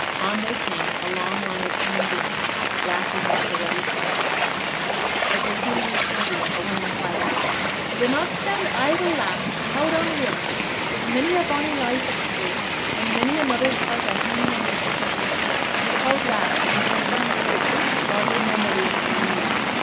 On they came, a long line of human beings, black against the ruddy sunset sky. As they came near Sylvia, a woman cried out, 'Dunnot stand idle, lass, but houd on wi' us; there's many a bonny life at stake, and many a mother's heart a hangin' on this bit o' hemp. Tak' houd, lass, and give a firm grip, and God remember thee i' thy need.'